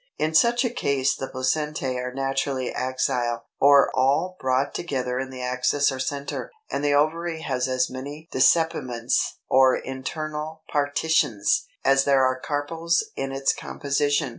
In such a case the placentæ are naturally axile, or all brought together in the axis or centre; and the ovary has as many DISSEPIMENTS, or internal Partitions, as there are carpels in its composition.